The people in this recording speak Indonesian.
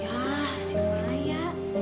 yah si maya